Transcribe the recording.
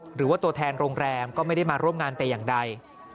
หรือว่าตัวแทนโรงแรมก็ไม่ได้มาร่วมงานแต่อย่างใด